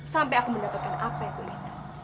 sampai aku mendapatkan apa yang aku inginkan